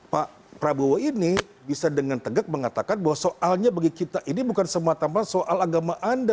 pak prabowo ini bisa dengan tegak mengatakan bahwa soalnya bagi kita ini bukan semata mata soal agama anda